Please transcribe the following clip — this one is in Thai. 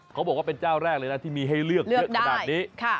เขาบอกว่าเป็นเจ้าแรกเลยนะที่มีให้เลือกเยอะขนาดนี้